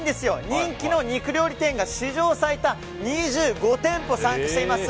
人気の肉料理店が史上最多２５店舗、参加しています。